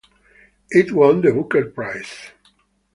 It won the Booker Prize.